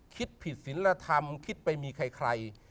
คิดผิดศิลธรรมคิดไปมีใคร